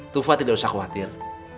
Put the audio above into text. tufa tidak usah khawatir